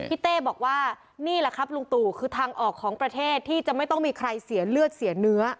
เต้บอกว่านี่แหละครับลุงตู่คือทางออกของประเทศที่จะไม่ต้องมีใครเสียเลือดเสียเนื้อ